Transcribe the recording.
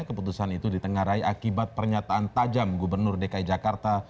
keputusan itu ditengarai akibat pernyataan tajam gubernur dki jakarta